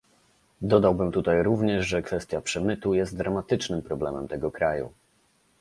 Dodałbym tutaj również, że kwestia przemytu jest dramatycznym problemem tego kraju